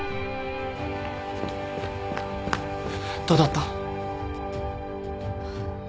どうだった？